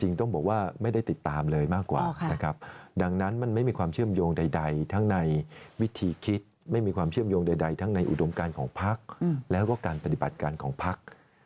ต้องบอกว่าไม่ได้ติดตามเลยมากกว่านะครับดังนั้นมันไม่มีความเชื่อมโยงใดทั้งในวิธีคิดไม่มีความเชื่อมโยงใดทั้งในอุดมการของพักแล้วก็การปฏิบัติการของพัก